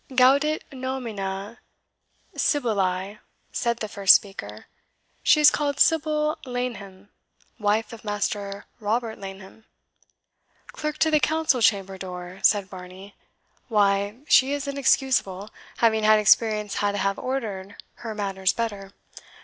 "GAUDET NOMINE SIBYLLAE," said the first speaker; "she is called Sibyl Laneham, wife of Master Robert Laneham " "Clerk to the Council chamber door," said Varney; "why, she is inexcusable, having had experience how to have ordered her matters better.